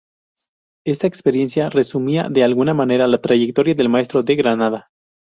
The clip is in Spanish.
Esta experiencia resumía de alguna manera la trayectoria del maestro de Granada.